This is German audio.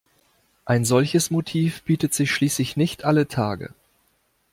Ein solches Motiv bietet sich schließlich nicht alle Tage.